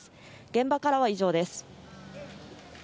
現場からは以上です。